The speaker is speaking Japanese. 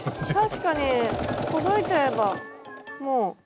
確かにほどいちゃえばもう。